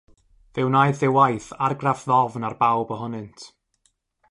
Fe wnaeth ei waith argraff ddofn ar bawb ohonynt.